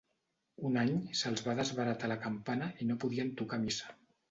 Un any se’ls va desbaratar la campana i no podien tocar a missa.